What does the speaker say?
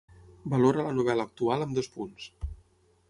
valora la novel·la actual amb dos punts